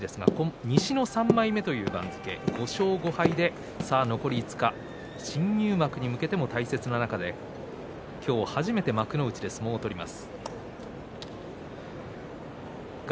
西の３枚目十両５勝５敗残り５日新入幕に向けて、大切な中で初めて幕内で相撲を取ります。